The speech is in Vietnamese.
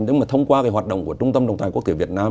nhưng mà thông qua hoạt động của trung tâm trọng tài quốc tế việt nam